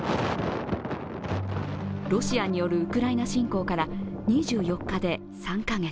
ロシアによるウクライナ侵攻から２４日で３カ月。